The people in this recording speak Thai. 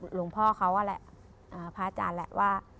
หลวงพ่อเขาแหละพระอาจารย์แหละว่า